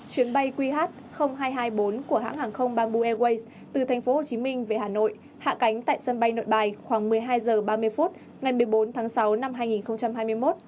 chuyến bay qh hai trăm hai mươi bốn của hãng hàng không bamboo airways từ tp hcm về hà nội hạ cánh tại sân bay nội bài khoảng một mươi hai h ba mươi phút ngày một mươi bốn tháng sáu năm hai nghìn hai mươi một